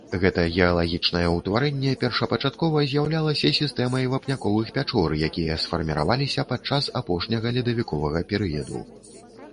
Гэта геалагічнае ўтварэнне першапачаткова з'яўлялася сістэмай вапняковых пячор, якія сфарміраваліся падчас апошняга ледавіковага перыяду.